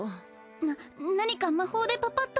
な何か魔法でパパっと。